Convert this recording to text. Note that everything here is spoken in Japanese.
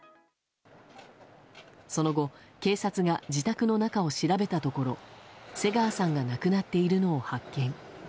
その後、警察が自宅の中を調べたところ瀬川さんが亡くなっているのを発見。